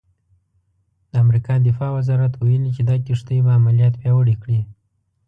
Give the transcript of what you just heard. د امریکا دفاع وزارت ویلي چې دا کښتۍ به عملیات پیاوړي کړي.